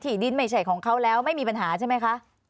ที่ดินไม่ใช่ของเขาแล้วไม่มีปัญหาใช่ไหมคะ